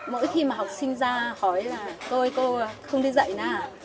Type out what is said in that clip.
mỗi khi mà học sinh ra hỏi là cô ơi cô không đi dạy nào